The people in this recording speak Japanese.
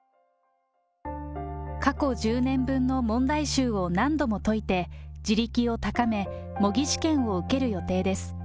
過去１０年分の問題集を何度も解いて、地力を高め、模擬試験を受ける予定です。